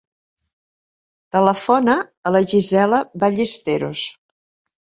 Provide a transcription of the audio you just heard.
Telefona a la Gisela Ballesteros.